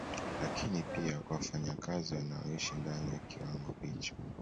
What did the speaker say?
Lakini pia kwa wafanyakazi wanaoishi ndani ya kiwanda hicho